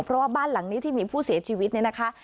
เพราะว่าบ้านหลังนี้ที่มีผู้เสียชีวิตเนี่ยนะคะ